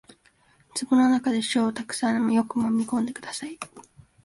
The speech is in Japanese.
壺の中の塩をたくさんよくもみ込んでください